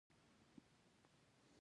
زیړ لمر په شین اسمان کې ولاړ و.